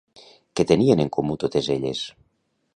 Què tenien en comú totes elles?